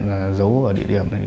là giấu ở địa điểm này